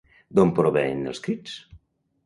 D'on provenen els crits?